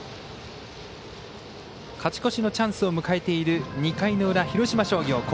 勝ち越しのチャンスを迎えている２回の裏、広島商業。